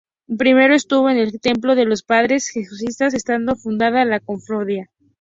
Primero estuvo en el templo de los Padres Jesuitas estando fundada la Cofradía.